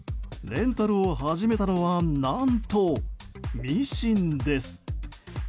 レンタルを始めたのは何とミシンです。